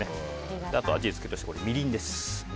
あと、味付けとしてみりんです。